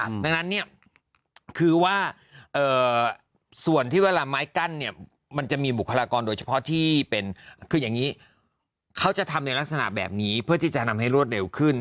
ดังนั้นเนี่ยคือว่าส่วนที่เวลาไม้กั้นเนี่ยมันจะมีบุคลากรโดยเฉพาะที่เป็นคืออย่างนี้เขาจะทำในลักษณะแบบนี้เพื่อที่จะทำให้รวดเร็วขึ้น